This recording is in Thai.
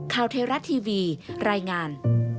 ข่าวเทราะห์ทีวีรายงาน